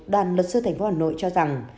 đoàn luật sư tp hà nội cho rằng